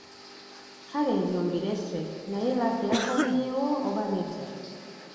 Kale ebyo mbirese naye Lucky yakomyewo oba nedda?